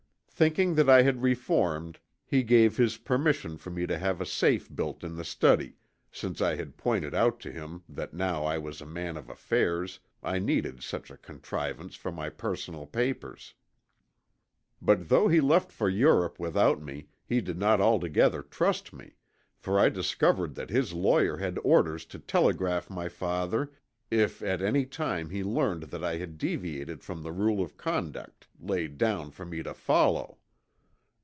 Thinking that I had reformed he gave his permission for me to have a safe built in the study, since I had pointed out to him that now that I was a man of affairs I needed such a contrivance for my personal papers. But though he left for Europe without me he did not altogether trust me, for I discovered that his lawyer had orders to telegraph my father if at any time he learned that I had deviated from the rule of conduct laid down for me to follow.